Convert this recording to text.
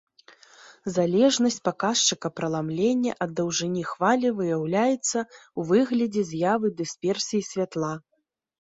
Залежнасць паказчыка праламлення ад даўжыні хвалі выяўляецца ў выглядзе з'явы дысперсіі святла.